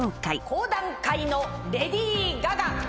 講談界のレディー・ガガ。